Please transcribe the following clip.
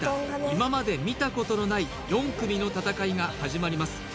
今まで見たことのない４組の戦いが始まります